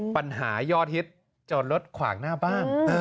ปัญหายอดฮิตจอดรถขวางหน้าบ้าน